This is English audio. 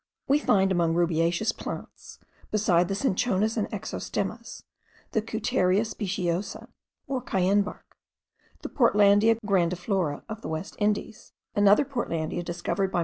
We find among rubiaceous plants, besides the cinchonas and exostemas, the Coutarea speciosa or Cayenne bark, the Portlandia grandiflora of the West Indies, another portlandia discovered by M.